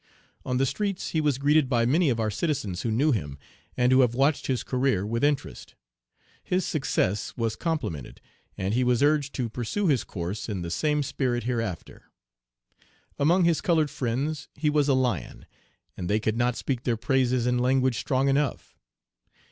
"On the streets he was greeted by many of our citizens who knew him, and who have watched his career with interest. His success was complimented, and he was urged to pursue his course in the same spirit hereafter. Among his colored friends he was a lion, and they could not speak their praises in language strong enough.